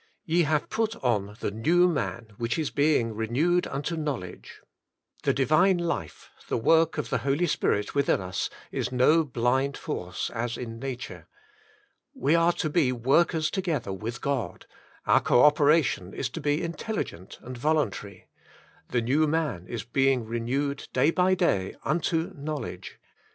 Ye have put on the new man, which is being renewed unto knowledge." The Divine life, the work of the Holy Spirit within us, is no blind force, as in nature. We are to be workers together with God ; our co operation is to be intelligent and voluntary, " The new man is being renewed day by day UNTO Knowledge.""